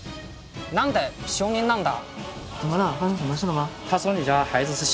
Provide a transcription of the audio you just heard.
何で小人なんだ